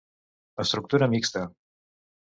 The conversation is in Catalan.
Estructura mixta.